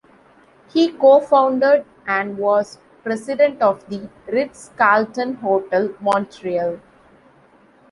He co-founded and was president of the Ritz-Carlton Hotel, Montreal.